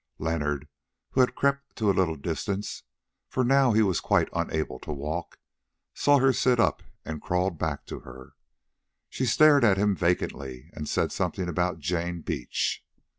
Leonard, who had crept to a little distance—for now he was quite unable to walk—saw her sit up and crawled back to her. She stared at him vacantly and said something about Jane Beach.